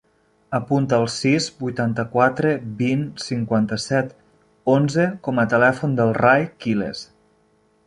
Apunta el sis, vuitanta-quatre, vint, cinquanta-set, onze com a telèfon del Rai Quiles.